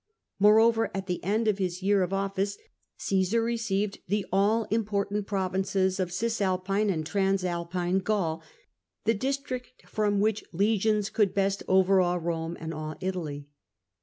Moreover, at the end of his year of office Caesar received the all important; provinces of Cisalpine and Transalpine Gaul, the district from which legions could best overawe Rome and all Italy.